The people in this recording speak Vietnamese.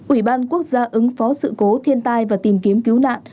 ủy ban quốc gia ứng phó sự cố thiên tai và tìm kiếm cứu nạn